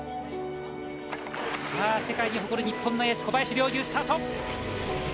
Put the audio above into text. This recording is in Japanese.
さあ、世界に誇る日本のエース、小林陵侑、スタート。